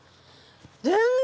全然！